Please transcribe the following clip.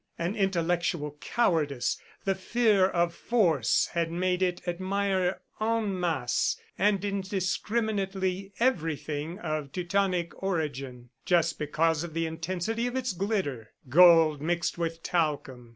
An intellectual cowardice, the fear of Force had made it admire en masse and indiscriminately, everything of Teutonic origin, just because of the intensity of its glitter gold mixed with talcum.